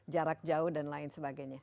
jarak jauh dan lain sebagainya